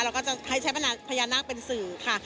เราก็จะให้ใช้พญานาคเป็นสื่อค่ะ